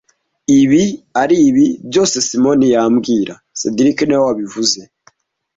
Ibi aribi byose Simoni yambwira cedric niwe wabivuze